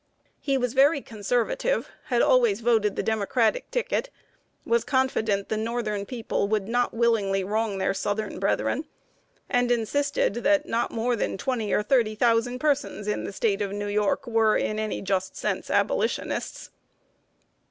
He was very "conservative;" had always voted the Democratic ticket; was confident the northern people would not willingly wrong their southern brethren; and insisted that not more than twenty or thirty thousand persons in the State of New York were, in any just sense, Abolitionists.